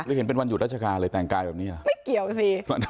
เห็นเป็นวันหยุดราชการเลยแต่งกายแบบนี้ไม่เกี่ยวสิ